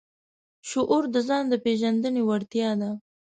شعور د ځان د پېژندنې وړتیا ده.